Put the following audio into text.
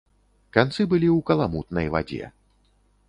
Канцы былі ў каламутнай вадзе.